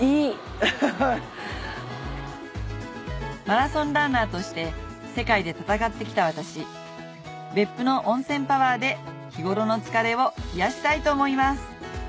マラソンランナーとして世界で戦ってきた私別府の温泉パワーで日頃の疲れを癒やしたいと思います